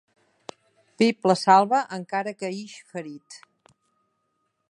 Pip la salva, encara que ix ferit.